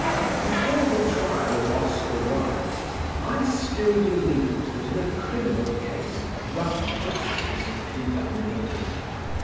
Before the trial of Oscar Wilde I still believed that in a criminal case rough justice would be done in England.